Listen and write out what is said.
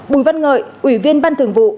bùi văn ngợi ủy viên ban thường vụ